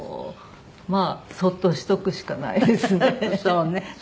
まあそっとしておくしかないですね。